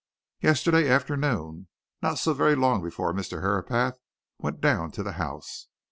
"Yesterday afternoon: not so very long before Mr. Herapath went down to the House.